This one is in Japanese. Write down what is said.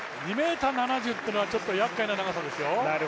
２ｍ７０というのはやっかいな長さですよ。